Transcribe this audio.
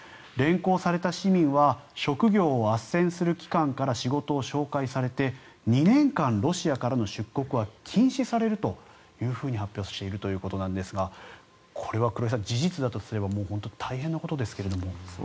連行された市民は職業をあっせんする機関から仕事を紹介されて２年間ロシアからの出国は禁止されると発表しているということですがこれは黒井さん、事実だとすれば本当に大変なことですが。